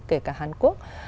kể cả hàn quốc